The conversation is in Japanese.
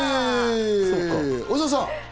小澤さん。